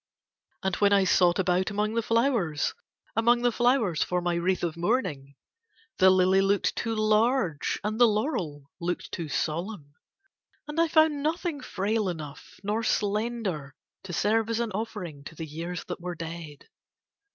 And when I sought about among the flowers, among the flowers for my wreath of mourning, the lily looked too large and the laurel looked too solemn and I found nothing frail enough nor slender to serve as an offering to the years that were dead.